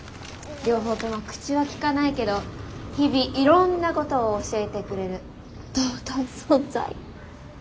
両方とも口は利かないけど日々いろんなことを教えてくれる尊い存在。